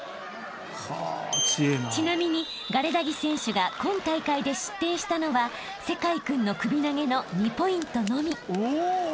［ちなみにガレダギ選手が今大会で失点したのは聖魁君の首投げの２ポイントのみ］